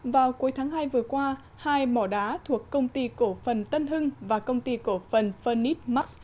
vào cuối tháng hai vừa qua hai mỏ đá thuộc công ty cổ phần tân hưng và công ty cổ phần phân nith max